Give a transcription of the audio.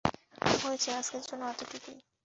হয়েছে, আজকের জন্য এটুকুই।